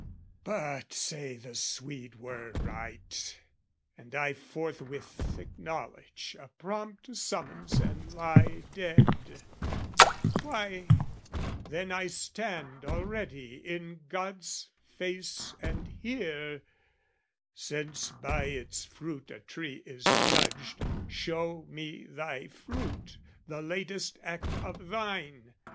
But say the Swede were right, and I forthwith Acknowledge a prompt summons and lie dead: Why, then I stand already in God's face And hear "Since by its fruit a tree is judged, "Show me thy fruit, the latest act of thine!